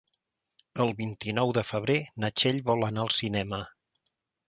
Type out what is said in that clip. El vint-i-nou de febrer na Txell vol anar al cinema.